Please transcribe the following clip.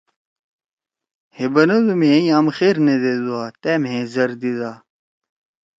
ہے بندُو مھیئے یام خیر نیدے دُوا، تا مھیئے ذر دیِدا۔